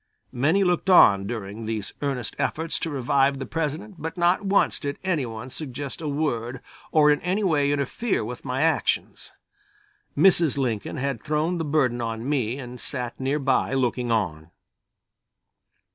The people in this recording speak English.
Many looked on during these earnest efforts to revive the President, but not once did any one suggest a word or in any way interfere with my actions. Mrs. Lincoln had thrown the burden on me and sat nearby looking on.